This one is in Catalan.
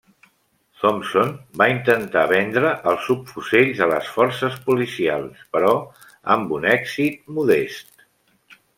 Thompson va intentar vendre els subfusells a les forces policials, però amb un èxit modest.